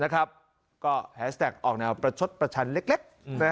ก็แฮสแท็กออกแนวประชดประชันเล็ก